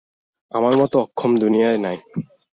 আমার মতো অক্ষম দুনিয়ায় নাই।